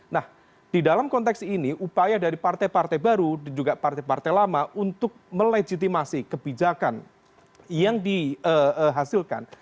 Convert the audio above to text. nah di dalam konteks ini upaya dari partai partai baru dan juga partai partai lama untuk melejitimasi kebijakan yang dihasilkan